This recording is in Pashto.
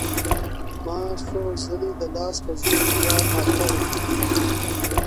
ما څوځلي د لاس په زور کي يار مات کړی دی~